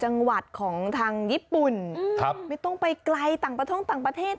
จังหวัดของทางญี่ปุ่นครับไม่ต้องไปไกลต่างประท่องต่างประเทศ